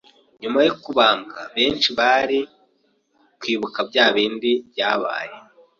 Nyuma yo kubambwa, benshi bari kwibuka bya bindi byabaye